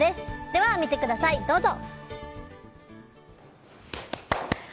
では見てください、どうぞ！